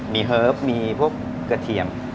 มีเฮิร์ฟมีพวกกระเทียม